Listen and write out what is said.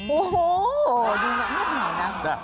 โอ้โหดูหนักนิดหน่อยนะ